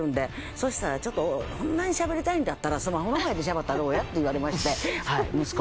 そしたらちょっと「そんなにしゃべりたいんだったらスマホの前でしゃべったらどうや？」って言われまして息子に。